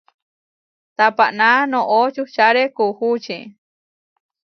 Tapaná noʼó čuhčáre kuučí.